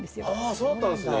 あそうだったんですね。